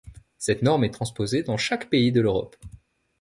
Cette norme est transposée dans chaque pays de l'Europe.